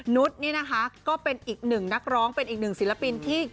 นุษย์นี่นะคะก็เป็นอีกหนึ่งนักร้องเป็นอีกหนึ่งศิลปินที่